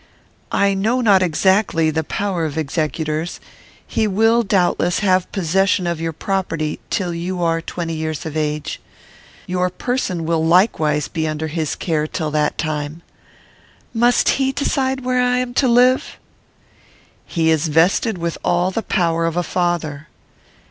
"I know not exactly the power of executors. He will, doubtless, have possession of your property till you are twenty years of age. Your person will likewise be under his care till that time." "Must he decide where I am to live?" "He is vested with all the power of a father."